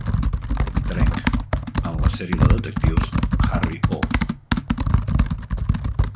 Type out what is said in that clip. Trench en la sèrie de detectius "Harry O".